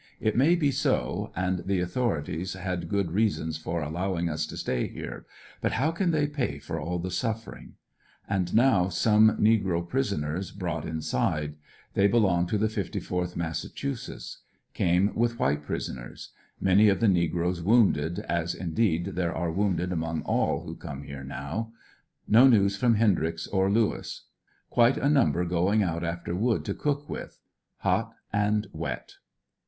It may be so, and the authorities liad good reasons for allowing us to slay here, but how can they pay for all the suffering? And now some negro] prisoners] brought inside. They belong to the 54th Massachusetts. Came with white prisoners Many of the negroes wounded, as, indeed, there are wounded among all who come here now. No news from Hendryx or Lewis. Quite a num ber going out after wood to cook with Hot and wet.